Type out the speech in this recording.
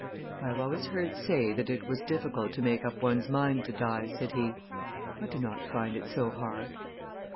"I have always heard say that it was difficult to make up one's mind to die," said he; "I do not find it so hard."